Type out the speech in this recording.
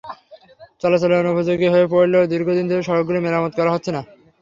চলাচলের অনুপযোগী হয়ে পড়লেও দীর্ঘদিন ধরে সড়কগুলো মেরামত করা হচ্ছে না।